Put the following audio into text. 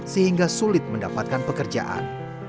sehingga sulit mendapatkan pekerjaan